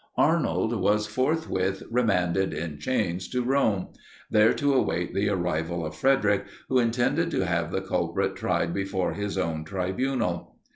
Arnold was forthwith remanded in chains to Rome, there to await the arrival of Frederic, who intended to have the culprit tried before his own tribunal.